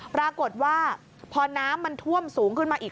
ปรากฏว่าพอน้ำมันท่วมสูงขึ้นมาอีก